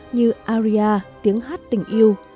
như aria tiếng hát tình yêu